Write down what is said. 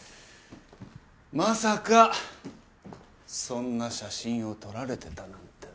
まさかそんな写真を撮られてたなんてなあ。